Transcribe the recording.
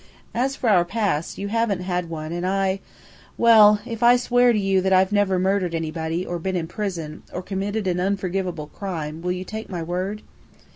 As for our pasts, you haven't had one, and I well, if I swear to you that I've never murdered anybody, or been in prison, or committed an unforgivable crime, will you take my word?"